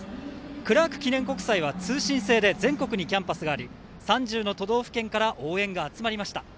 クラーク記念国際は通信制で全国にキャンバスがあり３０の都道府県から応援が集まりました。